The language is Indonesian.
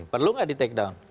perlu nggak di take down